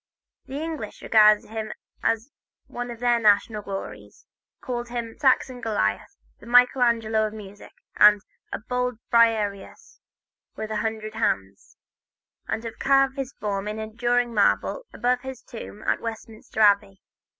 The English regard him as one of their national glories, call him the "Saxon Goliath," the "Michael Angelo of music," a "Bold Briareus with a hundred hands," and have carved his form in enduring marble above his tomb in Westminster Abbey.